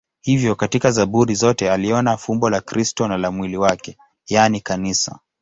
Hivyo katika Zaburi zote aliona fumbo la Kristo na la mwili wake, yaani Kanisa.